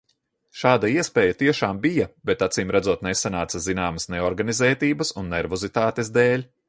Šāda iespēja tiešām bija, bet acīmredzot nesanāca zināmas neorganizētības un nervozitātes dēļ.